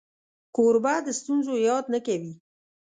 کوربه د ستونزو یاد نه کوي.